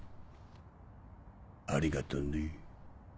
ありがとね。